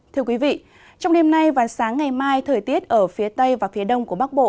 thưa quý vị trong đêm nay và sáng ngày mai thời tiết ở phía tây và phía đông của bắc bộ